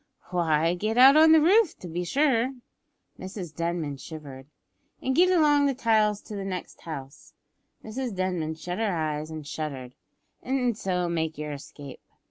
"Why, get out on the roof to be sure," (Mrs Denman shivered) "and get along the tiles to the next house," (Mrs Denman shut her eyes and shuddered) "an' so make yer escape.